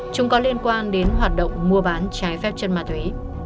chúng có liên quan đến hoạt động mua bán trái phép chất ma túy